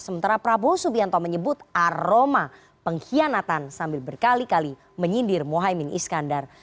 sementara prabowo subianto menyebut aroma pengkhianatan sambil berkali kali menyindir mohaimin iskandar